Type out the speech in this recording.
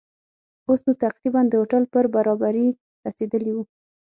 اوس نو تقریباً د هوټل پر برابري رسېدلي وو.